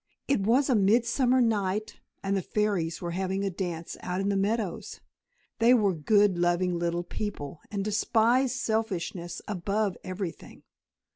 It was a midsummer night, and the fairies were having a dance out in the meadows. They were good, loving little people, and despised selfishness above everything.